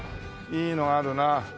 いいのあるなあ。